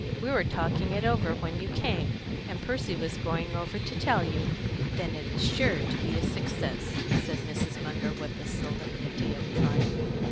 We were talking it over when you came, and Percy was going over to tell you." "Then it is sure to be a success," said Mrs. Munger, with a solemnity of triumph.